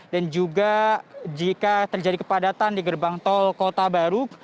dan juga jika terjadi kepadatan di gerbang tol kota baru